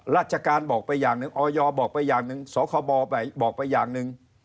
ราชการบอกไปอย่างหนึ่งออยบอกไปอย่างหนึ่งสคบบอกไปอย่างหนึ่ง